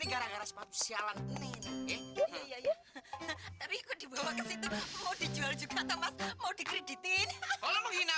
dan kita akan menikmati berikut video selanjutnya